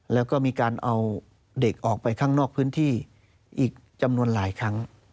แล้วก็มีการเอาเด็กออกไปข้างนอกพื้นที่อีกจำนวนหลายครั้ง